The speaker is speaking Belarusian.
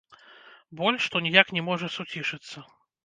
Боль, што ніяк не можа суцішыцца.